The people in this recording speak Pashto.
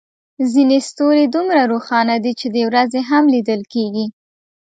ځینې ستوري دومره روښانه دي چې د ورځې هم لیدل کېږي.